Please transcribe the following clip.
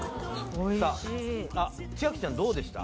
おいしい千秋ちゃんどうでした？